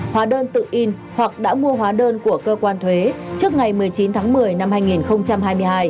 hóa đơn tự in hoặc đã mua hóa đơn của cơ quan thuế trước ngày một mươi chín tháng một mươi năm hai nghìn hai mươi hai